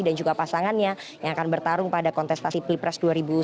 dan juga pasangannya yang akan bertarung pada kontestasi pilpres dua ribu sembilan belas